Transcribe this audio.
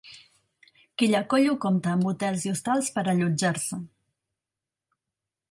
Quillacollo compta amb hotels i hostals per allotjar-se.